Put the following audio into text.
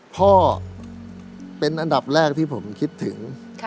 พ่อเป็นอันดับแรกที่ผมคิดถึง